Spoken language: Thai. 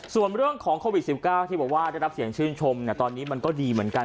ส่วนเรื่องของโควิด๑๙ที่บอกว่าได้รับเสียงชื่นชมตอนนี้มันก็ดีเหมือนกัน